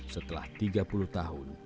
setelah tiga puluh tahun